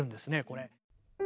これ。